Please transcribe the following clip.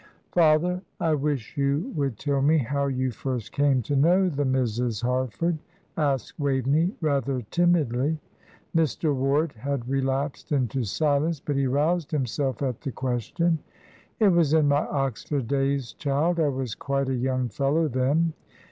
"Father, I wish you would tell me how you first came to know the Misses Harford?" asked Waveney, rather timidly. Mr. Ward had relapsed into silence, but he roused himself at the question. "It was in my Oxford days, child. I was quite a young fellow then.